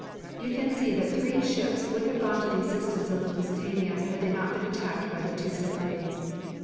You can see that three ships would have gone to the assistance of the Lusitania had they not been attacked by the two submarines."